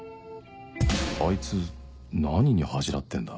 あいつ何に恥じらってんだ？